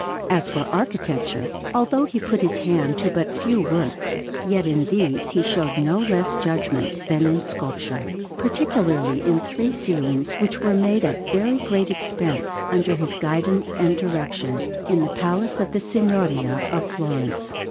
As for architecture, although he put his hand to but few works, yet in these he showed no less judgment than in sculpture; particularly in three ceilings which were made at very great expense, under his guidance and direction, in the Palace of the Signoria at Florence.